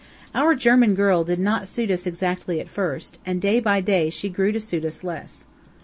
Our German girl did not suit us exactly at first, and day by day she grew to suit us less.